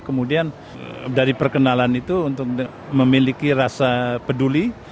kemudian dari perkenalan itu untuk memiliki rasa peduli